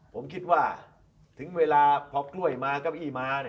ผมคิดว่าถึงเวลาพอบคร่วยมาก็อีหมานี่